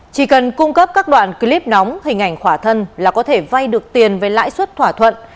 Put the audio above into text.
chỉ cần cung cấp các đoạn clip nóng hình ảnh khỏa thân là có thể vay được tiền với lãi suất thỏa thuận